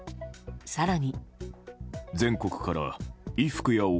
更に。